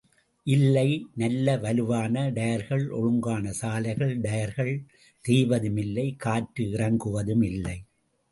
இல்லை, நல்ல வலுவான டயர்கள் ஒழுங்கான சாலைகள் டயர்கள் தேய்வதும் இல்லை காற்று இறங்குவதும் இல்லை.